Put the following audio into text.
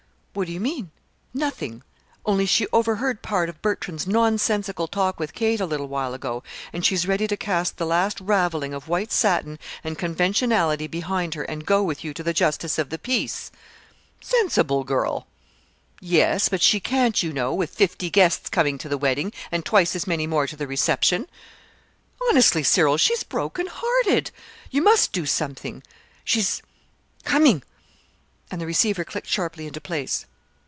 "What do you mean?" "Nothing, only she overheard part of Bertram's nonsensical talk with Kate a little while ago, and she's ready to cast the last ravelling of white satin and conventionality behind her, and go with you to the justice of the peace." "Sensible girl!" "Yes, but she can't, you know, with fifty guests coming to the wedding, and twice as many more to the reception. Honestly, Cyril, she's broken hearted. You must do something. She's coming!" And the receiver clicked sharply into place.